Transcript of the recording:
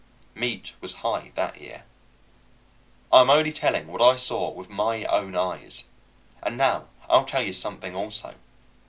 Meat was high that year. I am only telling what I saw with my own eyes. And now I'll tell you something, also.